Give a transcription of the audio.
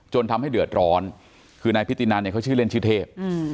จนทำให้เดือดร้อนคือนายพิธีนันเขาเล่นชื่อเทพ